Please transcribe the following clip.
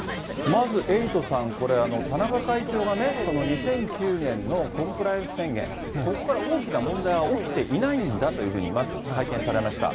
まずエイトさん、これ、田中会長がね、２００９年のコンプライアンス宣言、ここから大きな問題は起きていないんだというふうに、まず会見されました。